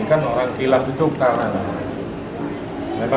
kan orang kilap itu karena